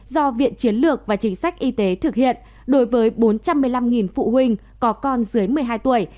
do viện chiến lược và chính sách y tế thực hiện đối với bốn trăm một mươi năm phụ huynh có con dưới một mươi hai tuổi